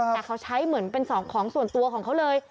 แต่เขาใช้เหมือนเป็นสองของส่วนตัวของเขาเลย